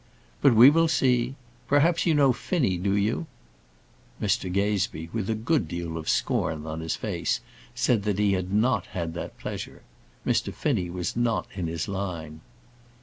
But we will see. Perhaps you know Finnie, do you?" Mr Gazebee, with a good deal of scorn in his face, said that he had not that pleasure. Mr Finnie was not in his line.